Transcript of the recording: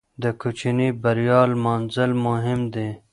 د کوچنۍ بریا لمانځل مهم دي.